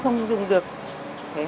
đúng như chia sẻ của bà tuyến